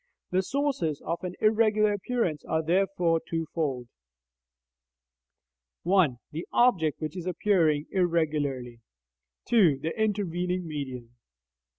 The sources of an irregular appearance are therefore twofold: (1) The object which is appearing irregularly; 2) The intervening medium.